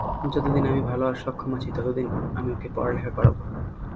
যতদিন আমি ভালো আর সক্ষম আছি ততদিন আমি ওকে পড়ালেখা করাবো।